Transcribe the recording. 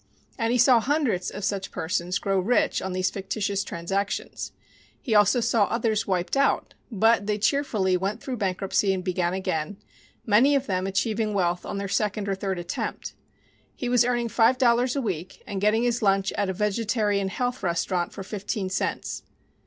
And he saw hundreds of such persons grow rich on these fictitious transactions. He also saw others "wiped out," but they cheerfully went through bankruptcy and began again, many of them achieving wealth on their second or third attempt. He was earning five dollars a week and getting his lunch at a "vegetarian health restaurant" for fifteen cents.